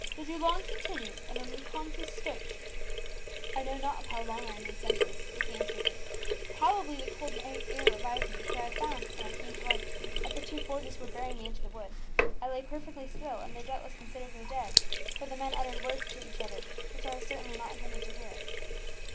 "Did you long continue in an unconscious state?" "I know not how long I remained senseless," was the answer of Bruce; "probably the cold night air revived me, for I found, when I came to life, that the two forgers were bearing me into the wood. I lay perfectly still, and they doubtless considered me dead, for the men uttered words to each other which I was certainly not intended to hear."